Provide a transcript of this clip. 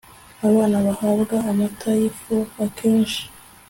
abana bahabwa amata y'ifu akenshi